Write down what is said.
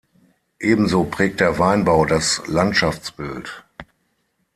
Ebenso prägt der Weinbau das Landschaftsbild.